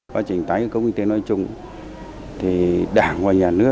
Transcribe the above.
phát triển tài năng